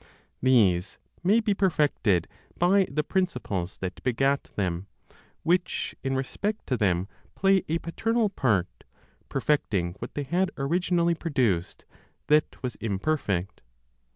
These may be perfected by the principles that begat them, which, in respect to them, play a paternal part, perfecting what they had originally produced that was imperfect.